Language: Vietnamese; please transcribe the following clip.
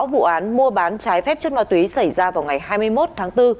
vụ án mua bán trái phép chất ma túy xảy ra vào ngày hai mươi một tháng bốn